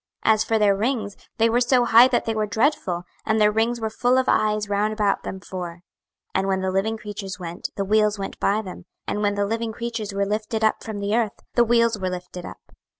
26:001:018 As for their rings, they were so high that they were dreadful; and their rings were full of eyes round about them four. 26:001:019 And when the living creatures went, the wheels went by them: and when the living creatures were lifted up from the earth, the wheels were lifted up.